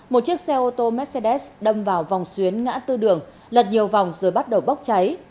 một chiếc xe ô tô mercedes đâm vào vòng xuyến ngã tư đường lật nhiều vòng rồi bắt đầu bốc cháy